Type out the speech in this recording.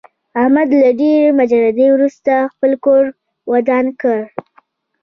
احمد له ډېرې مجردۍ ورسته خپل کور ودان کړ.